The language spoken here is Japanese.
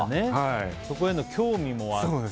そこへの興味もあって。